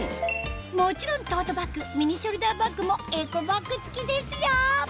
もちろんトートバッグミニショルダーバッグもエコバッグ付きですよ